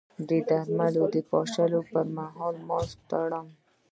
د درمل پاشلو پر مهال ماسک وتړم؟